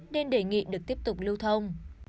nên đề nghị được tiếp tục lưu thông